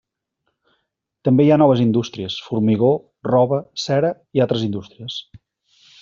També hi ha noves indústries: formigó, roba, cera i altres indústries.